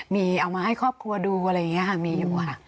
มีเอามาให้ครอบครัวดูอะไรอย่างนี้ค่ะมีอยู่ค่ะ